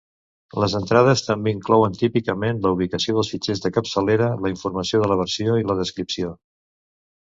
Les entrades també inclouen típicament la ubicació dels fitxers de capçalera, la informació de la versió i la descripció.